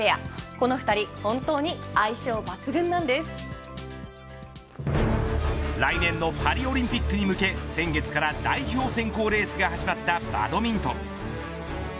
この２人来年のパリオリンピックに向け先月から代表選考レースが始まったバドミントン。